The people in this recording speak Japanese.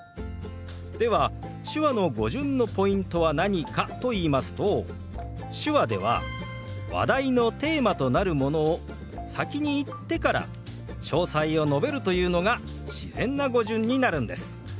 では手話の語順のポイントは何かといいますと手話では話題のテーマとなるものを先に言ってから詳細を述べるというのが自然な語順になるんです。